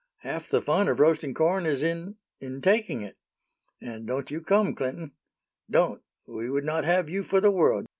Half the fun of roasting corn is in in taking it. And don't you come, Clinton don't. We would not have you for the world.